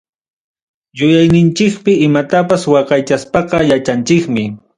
Yuyayninchikpi imatapas waqaychaspaqa, yachanchikmi.